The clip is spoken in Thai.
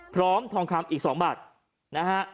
พร้อมทองคำอีกสองบาทนะฮะ